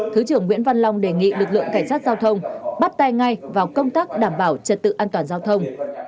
thứ trưởng nguyễn văn long đề nghị lực lượng cảnh sát giao thông bắt tay ngay vào công tác đảm bảo trật tự an toàn giao thông